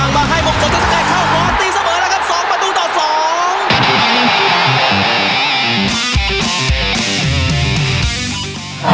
มาดูต่อสอง